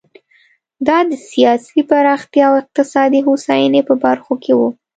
دا د سیاسي پراختیا او اقتصادي هوساینې په برخو کې و.